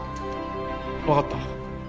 わかった。